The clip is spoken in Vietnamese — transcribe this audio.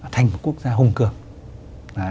thành một quốc gia hùng cường